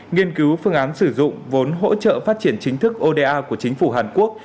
nghiên cứu phương án sử dụng vốn hỗ trợ phát triển chính thức oda của chính phủ hàn quốc